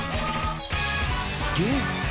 「すげえな」